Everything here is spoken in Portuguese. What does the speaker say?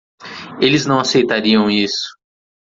Eles não aceitariam isso.